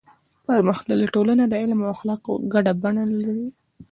پرمختللې ټولنه د علم او اخلاقو ګډه بڼه لري.